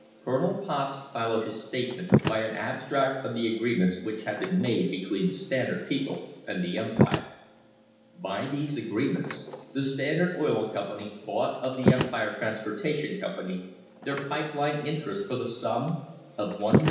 Colonel Potts followed his statement by an abstract of the agreements which had been made between the Standard people and the Empire. By these agreements the Standard Oil Com pany bought of the Empire Transportation Company their pipe line interest for the sum of $1,094,805.